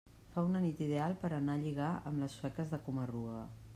Fa una nit ideal per anar a lligar amb les sueques a Coma-ruga.